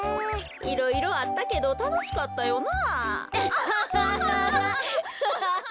いろいろあったけどたのしかったよな。